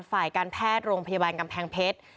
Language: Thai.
ฝ่ายการแพทย์โรงพยาบาลกำแพงเพชร